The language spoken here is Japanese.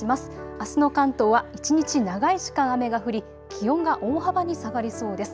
あすの関東は一日、長い時間、雨が降り気温が大幅に下がりそうです。